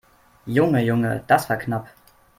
Junge, Junge, das war knapp!